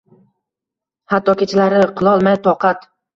Hatto kechalari qilolmay toqat